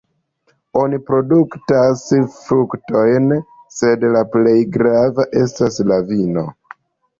Oni produktaj fruktojn, sed la plej grava estas la vino.